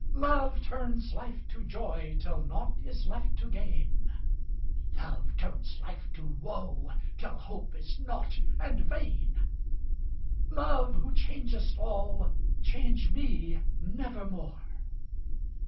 Love turns life to joy till nought is left to gain: "Love turns life to woe till hope is nought and vain." Love, who changest all, change me nevermore!